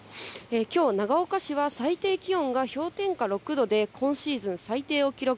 きょう、長岡市は最低気温が氷点下６度で今シーズン最低を記録。